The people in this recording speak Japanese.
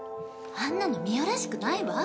あんなの澪らしくないわ。